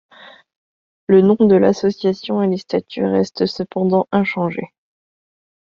Le nom de l'association et les statuts restent cependant inchangés.